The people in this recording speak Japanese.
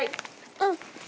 うん。